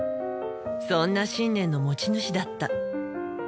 そんな信念の持ち主だった。